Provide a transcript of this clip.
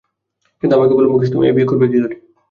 কিন্তু আমাকে বলো মুকেশ, তুমি এ বিয়ে করবে কি করে?